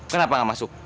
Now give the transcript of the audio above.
kenapa nggak masuk